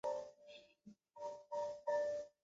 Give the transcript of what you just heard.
帕妮丝被岛上的人们称作天使。